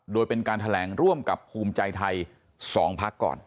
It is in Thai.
โดยเป็นการแถลงร่วมกับภูมิใจไทย๒พักก่อน